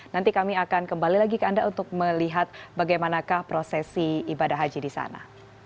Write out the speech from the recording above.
nanti kami akan kembali lagi ke anda untuk melihat bagaimanakah prosesi ibadah haji di sana